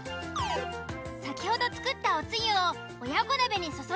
先ほど作ったおつゆを親子鍋に注ぎ入れます。